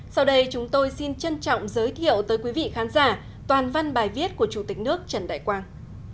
sau đây chúng tôi xin trân trọng giới thiệu tới quý vị khán giả toàn văn bài viết của chủ tịch nước trần đại quang